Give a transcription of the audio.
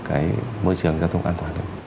cái môi trường giao thông an toàn